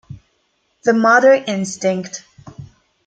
The Mother Instinct